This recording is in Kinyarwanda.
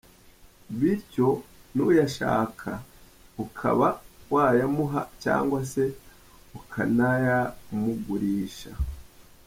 Bityo n’uyashaka ukaba wayamuha cyangwa se ukanayamugurisha.